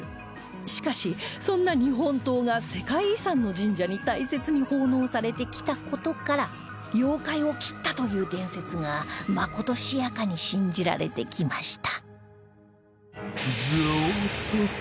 しかしそんな日本刀が世界遺産の神社に大切に奉納されてきた事から妖怪を斬ったという伝説がまことしやかに信じられてきました